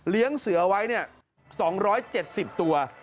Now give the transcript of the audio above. เลี้ยงเสือไว้๒๗๐ตัว